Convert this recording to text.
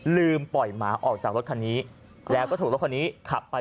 ลืมปล่อยหมาออกจากรถคันนี้แล้วก็ถูกรถคันนี้ขับไป